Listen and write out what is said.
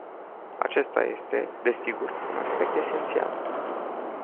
Acesta este, desigur, un aspect esențial.